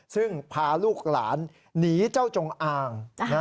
ซึ่งพาลูกหลานหนีเจ้าจงอาง